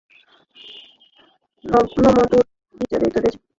নমরূদ বিচলিত হয়ে দেশের সব গণক ও জ্যোতির্বিদদের একত্র করে এর কারণ জিজ্ঞেস করে।